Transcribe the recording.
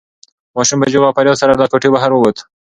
ماشوم په چیغو او فریاد سره له کوټې بهر ووت.